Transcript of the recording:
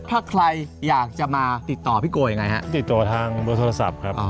ถ้าใครอยากจะมาติดต่อพี่โกยังไงฮะติดต่อทางเบอร์โทรศัพท์ครับ